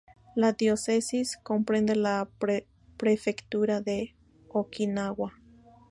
La diócesis comprende la prefectura de Okinawa.